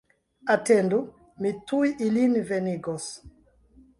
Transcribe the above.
Atendu, mi tuj ilin venigos!